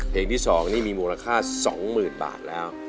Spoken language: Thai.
เพลงที่๒นี่มีมูลค่า๒๐๐๐บาทแล้ว